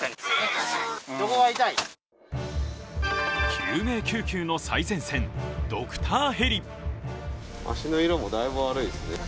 救命救急の最前線ドクターヘリ。